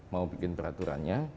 mau bikin peraturannya